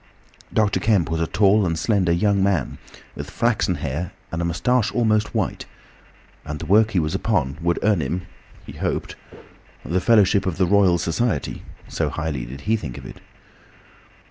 Dr. Kemp was a tall and slender young man, with flaxen hair and a moustache almost white, and the work he was upon would earn him, he hoped, the fellowship of the Royal Society, so highly did he think of it.